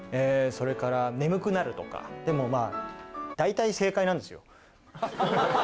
それから眠くなるとかでもまあ大体正解なんですよ